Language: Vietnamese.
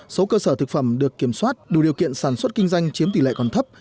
số cơ sở thực phẩm được kiểm soát đủ điều kiện sản xuất kinh doanh chiếm tỷ lệ còn thấp